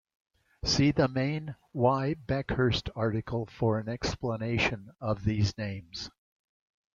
See the main Y. Bhekhirst article for an explanation of these names.